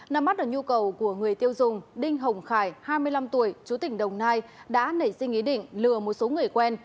năm mắt được nhu cầu của người tiêu dùng đinh hồng khải hai mươi năm tuổi chú tỉnh đồng nai đã nảy sinh ý định lừa một số người quen